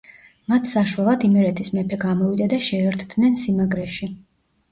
მათ საშველად იმერეთის მეფე გამოვიდა და შეერთდნენ სიმაგრეში.